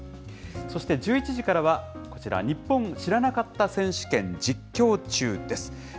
そして、１１時からはこちら、ニッポン知らなかった選手権実況中！です。